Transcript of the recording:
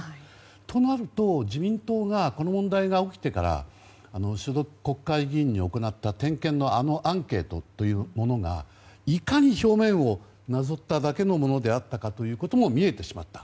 となると、自民党がこの問題が起きてから所属国会議員に行った点検のあのアンケートというものがいかに表面をなぞっただけのものであったということも見えてしまった。